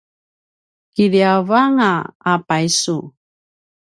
kiliavanga a paysu